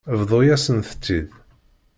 Bḍu-yasent-t-id.